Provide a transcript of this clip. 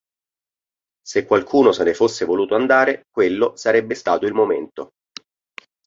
Se qualcuno se ne fosse voluto andare, quello sarebbe stato il momento.